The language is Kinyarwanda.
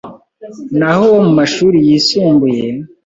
naho uwo mu mashuri yisumbuye